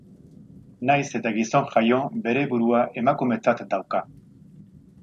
Nahiz eta gizon jaio, bere burua emakumetzat dauka.